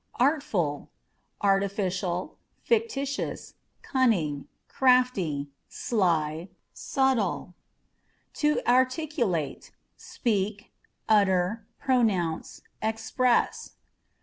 Artful â€" artificial, fictitious, cunning, crafty, sly, subtile. To Articulate â€" speak, utter, pronounce, express.